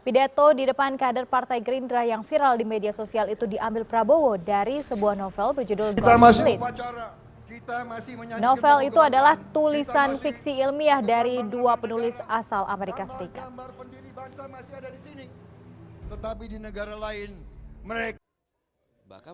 pidato di depan kader partai gerindra yang viral di media sosial itu diambil prabowo dari sebuah novel berjudul green